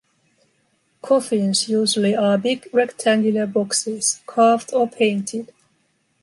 Coffins usually are big rectangular boxes, carved or painted.